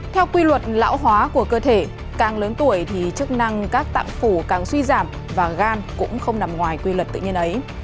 theo quy luật lão hóa của cơ thể càng lớn tuổi thì chức năng các tạm phủ càng suy giảm và gan cũng không nằm ngoài quy luật tự nhiên ấy